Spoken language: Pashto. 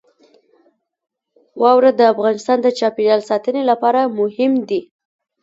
واوره د افغانستان د چاپیریال ساتنې لپاره مهم دي.